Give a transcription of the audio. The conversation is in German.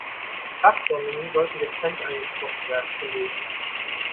Fachtermini sollten getrennt eingesprochen werden, finde ich.